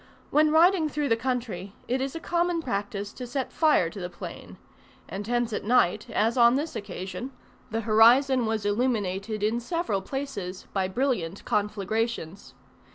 When riding through the country, it is a common practice to set fire to the plain; and hence at night, as on this occasion, the horizon was illuminated in several places by brilliant conflagrations.